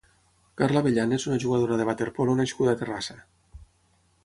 Carla Abellan és una jugadora de waterpolo nascuda a Terrassa.